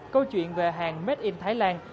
câu chuyện về hàng made in thailand